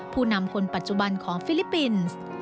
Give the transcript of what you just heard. ผู้นำคนปัจจุบันของฟิลิปปินส์